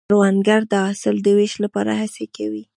کروندګر د حاصل د ویش لپاره هڅې کوي